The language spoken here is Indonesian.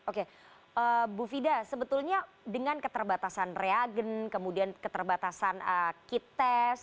oke bu fida sebetulnya dengan keterbatasan reagen kemudian keterbatasan kit test